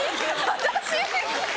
私？